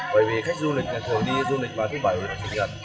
bởi vì khách du lịch thường đi du lịch vào thứ bảy và thứ nhật